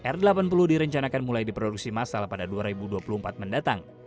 r delapan puluh direncanakan mulai diproduksi masal pada dua ribu dua puluh empat mendatang